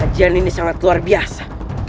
kajian ini sangat luar biasa